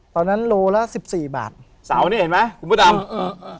ตอนนั้นโลละสิบสี่บาทเสาเนี้ยเห็นไหมคุณผู้ชมเออเออ